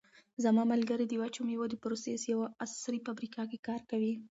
زما ملګری د وچو مېوو د پروسس په یوه عصري فابریکه کې کار کوي.